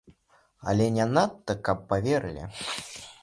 Але не надта каб паверылі.